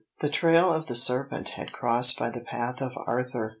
The trail of the serpent had crossed by the path of Arthur.